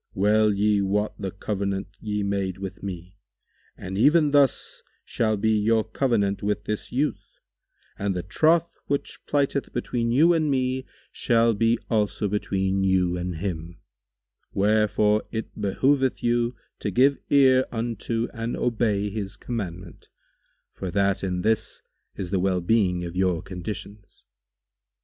Well ye wot the covenant ye made with me, and even thus shall be your covenant with this youth and the troth which plighted between you and me shall be also between you and him; wherefore it behoveth you to give ear unto and obey his commandment, for that in this is the well being of your conditions.